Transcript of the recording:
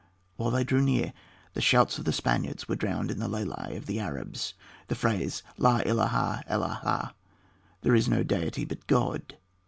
While they drew near, the shouts of the Spaniards were drowned in the lelie of the Arabs, the phrase Lá ilá ha ella llah there is no deity but God.